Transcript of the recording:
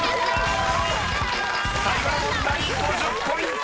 ［最後の問題５０ポイント！］